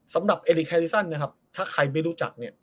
สำหรับเอลิแคลิซันนะครับถ้าใครไม่รู้จักเนี่ย